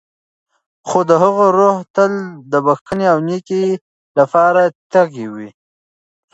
خو د هغه روح تل د بښنې او نېکۍ لپاره تږی و.